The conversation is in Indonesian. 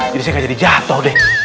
jadi saya gak jadi jatoh deh